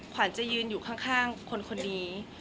ขวัญจะยืนอยู่ข้างข้างคนคนนี้